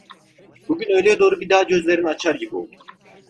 Bugün öğleye doğru bir daha gözlerini açar gibi oldu.